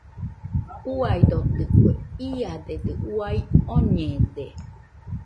Uaidotɨkue, iadedɨ uai oñede.